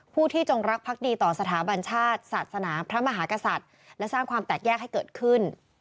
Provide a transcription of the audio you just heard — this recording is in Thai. ที่จงรักพักดีต่อสถาบันชาติศาสนาพระมหากษัตริย์และสร้างความแตกแยกให้เกิดขึ้น